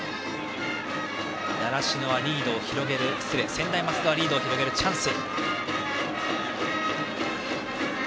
専大松戸はリードを広げるチャンス。